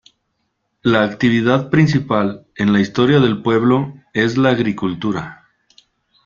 La actividad principal en la historia del pueblo es la agricultura.